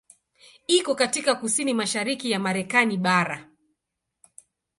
Iko katika kusini-mashariki ya Marekani bara.